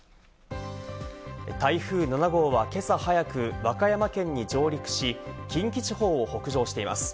台風７号は今朝早く和歌山県に上陸し、近畿地方を北上しています。